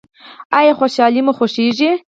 ایا خوشحالي مو خوښیږي؟